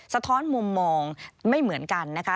สะท้อนมุมมองไม่เหมือนกันนะคะ